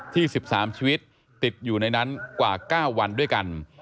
๑๓ชีวิตติดอยู่ในนั้นกว่า๙วันด้วยกัน